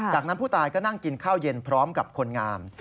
จากนั้นผู้ตายก็นั่งกินข้าวเย็นพร้อมกับคนงาม